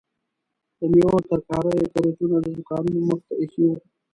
د میوو او ترکاریو کریټونه د دوکانو مخې ته ایښي وو.